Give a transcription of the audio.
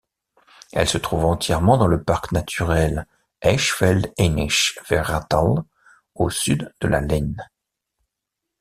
Elle se trouve entièrement dans le Parc naturel Eichsfeld-Hainich-Werratal au sud de la Leine.